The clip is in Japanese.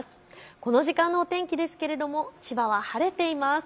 この時間のお天気ですけれども千葉は晴れています。